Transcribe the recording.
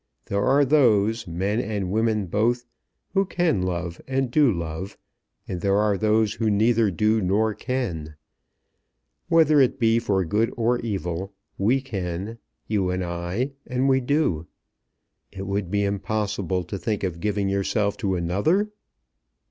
There are those, men and women both, who can love and do love, and there are those who neither do nor can. Whether it be for good or evil, we can, you and I, and we do. It would be impossible to think of giving yourself to another?"